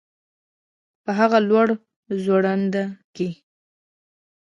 په هغه لوړ ځوړند کي